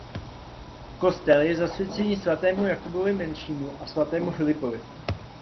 Kostel je zasvěcený svatému Jakubovi Menšímu a svatému Filipovi.